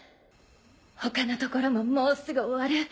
他のところももうすぐ終わる。